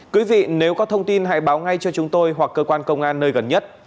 quý vị nếu có thông tin hãy báo ngay cho chúng tôi hoặc cơ quan công an nơi gần nhất